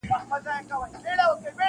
• پر هغه لاره مي یون دی نازوه مي -